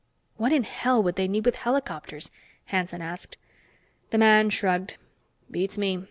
"What in hell would they need with helicopters?" Hanson asked. The man shrugged. "Beats me.